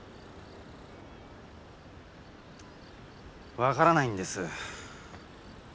分からないんです。